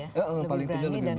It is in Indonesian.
iya paling tidak lebih berani